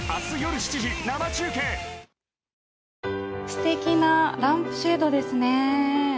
すてきなランプシェードですね。